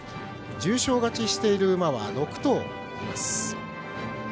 重賞勝ちしている馬は６頭います。